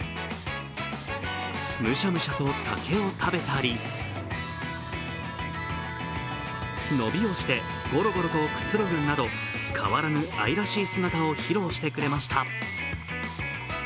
むしゃむしゃと竹を食べたり、伸びをしてゴロゴロとくつろぐなど変わらぬ愛らしい姿を披露してくれました。